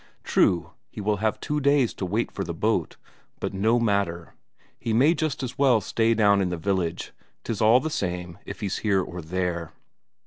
True, he will have two days to wait for the boat, but no matter; he may just as well stay down in the village; 'tis all the same if he's here or there.